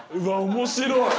面白い！